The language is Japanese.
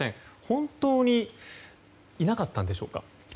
本当にいなかったんでしょうか？